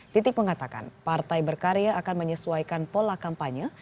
titik mengatakan partai berkarya akan menyesuaikan pola kampanye